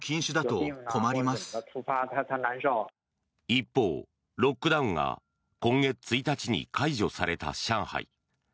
一方、ロックダウンが今月１日に解除された上海。